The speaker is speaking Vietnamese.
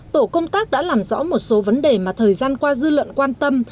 tổ công tác đã làm rõ một số vấn đề mà thời gian qua dư luận quan tâm